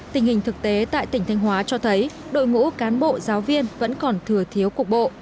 tình hình thực tế tại tỉnh thanh hóa cho thấy đội ngũ cán bộ giáo viên vẫn còn thừa thiếu cục bộ